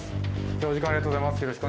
今日はお時間ありがとうございます。